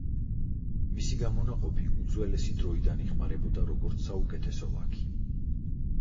მისი გამონაყოფი უძველესი დროიდან იხმარებოდა როგორც საუკეთესო ლაქი.